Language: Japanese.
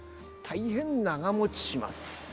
大変長持ちします。